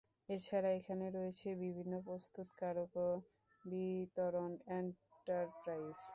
এছাড়া এখানে রয়েছে বিভিন্ন প্রস্তুতকারক ও বিতরন এন্টারপ্রাইজ।